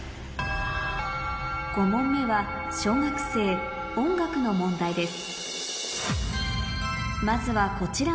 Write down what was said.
５問目は小学生の問題です